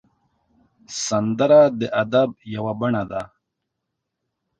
سندره د ادب یو بڼه ده